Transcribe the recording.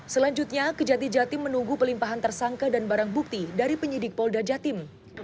selanjutnya kejati jatim menunggu pelimpahan tersangka dan barang bukti dari penyidik polda jatim